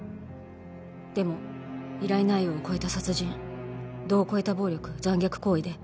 「でも依頼内容を超えた殺人」「度を超えた暴力残虐行為で」